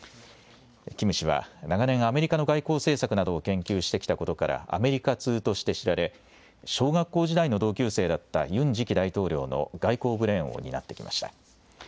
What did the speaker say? キム氏は長年、アメリカの外交政策などを研究してきたことからアメリカ通として知られ小学校時代の同級生だったユン次期大統領の外交ブレーンを担ってきました。